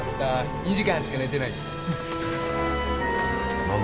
二時間しか寝てない何だ？